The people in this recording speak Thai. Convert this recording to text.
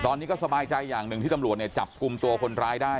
ตอนนี้ก็สบายใจอย่างหนึ่งที่ตำรวจเนี่ยจับกลุ่มตัวคนร้ายได้